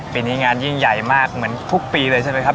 ปีนี้งานยิ่งใหญ่มากเหมือนทุกปีเลยใช่ไหมครับ